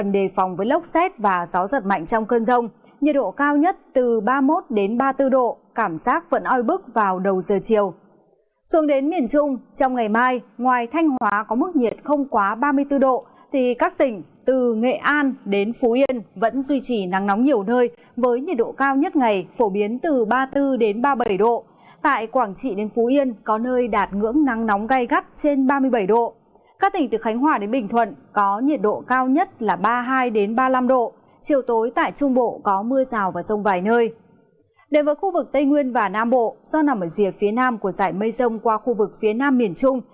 đến với khu vực tây nguyên và nam bộ do nằm ở dìa phía nam của dải mây rông qua khu vực phía nam miền trung